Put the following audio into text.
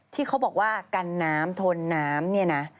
ที่เขาบอกว่ากันน้ำทนน้ำเนี่ยนะ